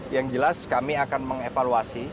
yang jelas kami akan mengevaluasi